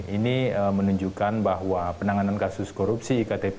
ini menunjukkan bahwa penanganan kasus korupsi iktp